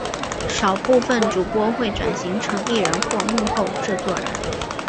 少部份主播会转型成艺人或幕后制作人。